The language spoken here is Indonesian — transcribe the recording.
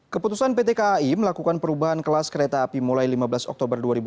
keputusan pt kai melakukan perubahan kelas kereta api mulai lima belas oktober dua ribu dua puluh